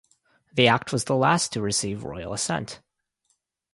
The Act was the last to receive Royal Assent.